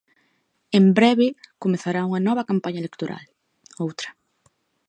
En breve comezará unha nova campaña electoral, outra.